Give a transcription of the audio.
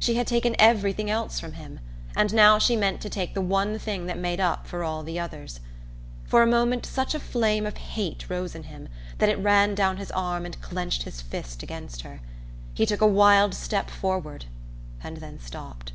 She had taken everything else from him; and now she meant to take the one thing that made up for all the others. For a moment such a flame of hate rose in him that it ran down his arm and clenched his fist against her. He took a wild step forward and then stopped.